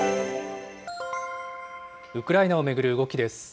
ウクライナを巡る動きです。